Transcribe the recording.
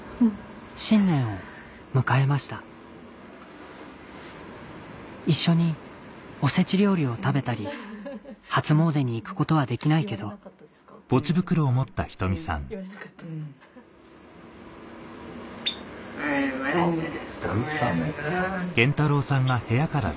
新年を迎えました一緒におせち料理を食べたり初詣に行くことはできないけどお年玉。